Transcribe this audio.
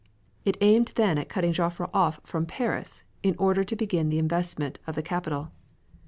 It aimed then at cutting Joffre off from Paris, in order to begin the investment of the capital.